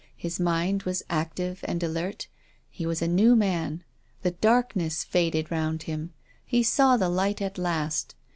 His mind was active and alert. He was a new man. The darkness faded round him. He saw the light at last.